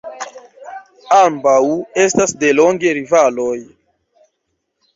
Ambaŭ estas delonge rivaloj.